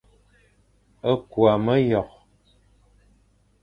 Küa meyokh,